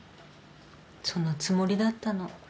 そのつもりだったの。